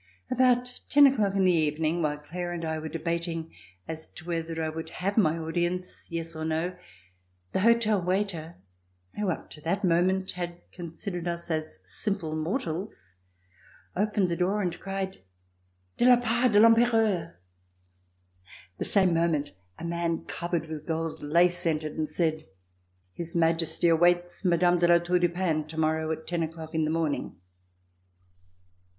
About ten o'clock in the evening, while Claire and I were debating as to whether I would have my audi ence,"yes" or "no," the hotel waiter who up to that moment had considered us as simple mortals, opened the door and cried: "De la part de I'Empereur!" The same moment a man covered with gold lace entered and said: "His Majesty awaits Mme. de La Tour du Pin tomorrow at ten o'clock in the morning."